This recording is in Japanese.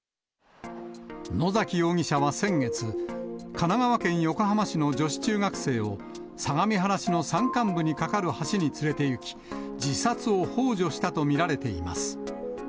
野崎容疑者は先月、神奈川県横浜市の女子中学生を、相模原市の山間部に架かる橋に連れていき、自殺をほう助したと見られています。